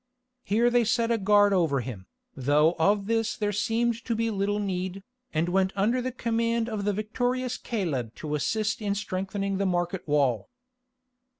Here they set a guard over him, though of this there seemed to be little need, and went under the command of the victorious Caleb to assist in strengthening the market wall.